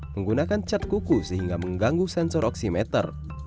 menggunakan cat kuku sehingga mengganggu sensor oksimeter